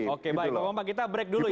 oke baik pak bapak kita break dulu ya